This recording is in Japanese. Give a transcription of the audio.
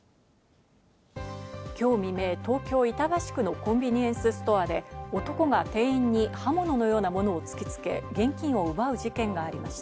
今日未明、東京・板橋区のコンビニエンスストアで男が店員に刃物のようなものを突きつけ、現金を奪う事件がありました。